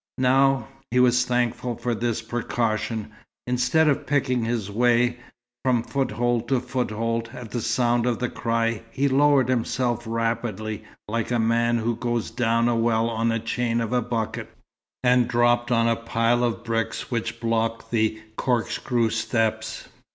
Now, he was thankful for this precaution. Instead of picking his way, from foothold to foothold, at the sound of the cry he lowered himself rapidly, like a man who goes down a well on the chain of a bucket, and dropped on a pile of bricks which blocked the corkscrew steps.